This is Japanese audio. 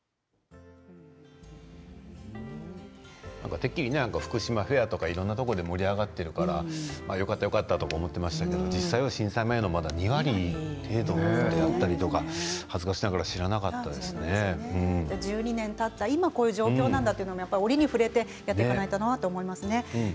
てっきり福島フェアとかいろんなところで盛り上がっているからよかった、よかったと思っていますけど実際は震災前の２割程度だったりとか恥ずかしながら知らなかった１２年たって今こういう状況なんだって折りに触れてやっていかないとなと思いますね